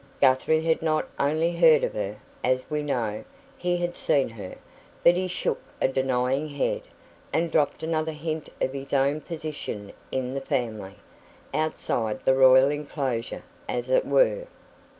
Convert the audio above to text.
Guthrie had not only heard of her, as we know, he had seen her; but he shook a denying head, and dropped another hint of his own position in the family outside the royal enclosure, as it were.